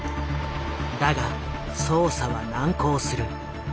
だが捜査は難航する。